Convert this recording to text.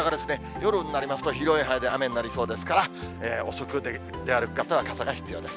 夜になりますと、広い範囲で雨になりそうですから、遅く出歩く方は傘が必要です。